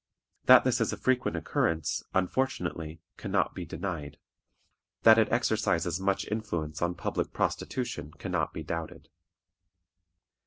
That this is a frequent occurrence, unfortunately, can not be denied: that it exercises much influence on public prostitution can not be doubted.